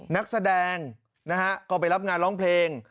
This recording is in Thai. นักแสดงนะฮะก็ไปรับงานร้องเพลง